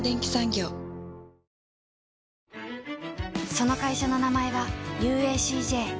その会社の名前は ＵＡＣＪ